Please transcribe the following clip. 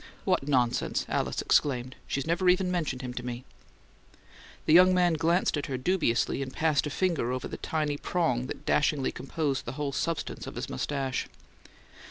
"What nonsense!" Alice exclaimed. "She's never even mentioned him to me." The young man glanced at her dubiously and passed a finger over the tiny prong that dashingly composed the whole substance of his moustache.